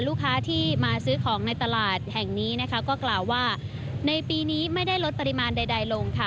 ลูกค้าที่มาซื้อของในตลาดแห่งนี้นะคะก็กล่าวว่าในปีนี้ไม่ได้ลดปริมาณใดลงค่ะ